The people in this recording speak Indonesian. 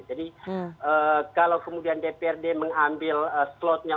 jadi kalau kemudian dprd mengambil slotnya